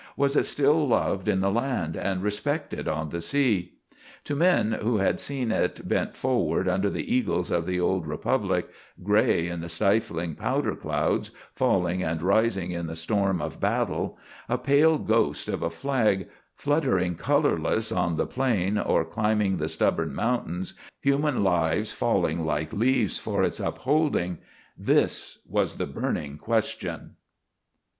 Was it still loved in the land and respected on the sea? To men who had seen it bent forward under the eagles of the old republic, gray in the stifling powder clouds, falling and rising in the storm of battle, a pale ghost of a flag, fluttering colorless on the plain or climbing the stubborn mountain, human lives falling like leaves for its upholding this was the burning question.